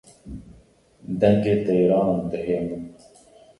Dengê Teyran dihê min